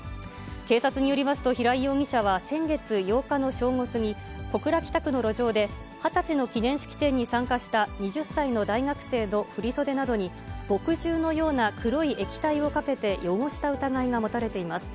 警察によりますと平井容疑者は先月８日の正午過ぎ、小倉北区の路上で、二十歳の記念式典に参加した２０歳の大学生の振り袖などに、墨汁のような黒い液体をかけて汚した疑いが持たれています。